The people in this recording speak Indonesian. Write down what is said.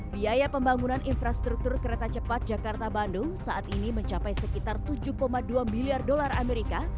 biaya pembangunan infrastruktur kereta cepat jakarta bandung saat ini mencapai sekitar tujuh dua miliar dolar amerika